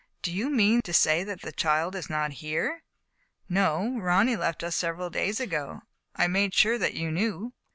" Do you mean to say that the child is not here ?"" No, Ronny left us several days ago. I made sure that you knew."